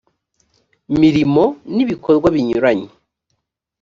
mirimo n ibikorwa binyuranye